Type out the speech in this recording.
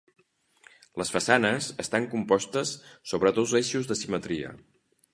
Les façanes estan compostes sobres dos eixos de simetria.